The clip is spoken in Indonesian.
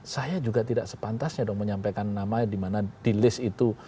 saya juga tidak sepantasnya dong menyampaikan namanya di mana di list itu